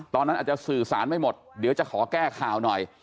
ตอนนั้นอาจจะสื่อสารไม่หมดเดี๋ยวจะขอแก้ข่าวหน่อย